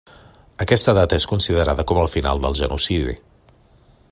Aquesta data és considerada com el final del genocidi.